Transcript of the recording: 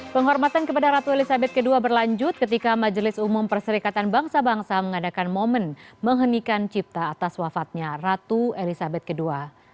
penghormatan kepada ratu elizabeth ii berlanjut ketika majelis umum perserikatan bangsa bangsa mengadakan momen menghenikan cipta atas wafatnya ratu elizabeth ii